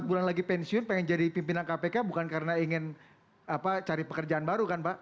empat bulan lagi pensiun pengen jadi pimpinan kpk bukan karena ingin cari pekerjaan baru kan pak